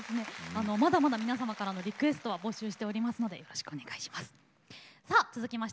まだまだ皆様からのリクエストは募集しておりますのでよろしくお願いします。